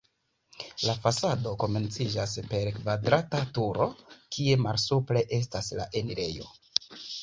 La fasado komenciĝas per kvadrata turo, kie malsupre estas la enirejo.